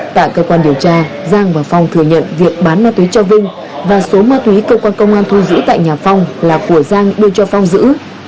tại cơ quan điều tra giang và phong thừa nhận việc bán ma túy cho vinh và số ma túy cơ quan công an thu giữ tại nhà phong là của giang đưa cho phong giữ